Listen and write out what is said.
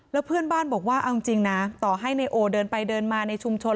แล้วเพื่อนบ้านบอกว่าเอาจริงนะต่อให้นายโอเดินไปเดินมาในชุมชน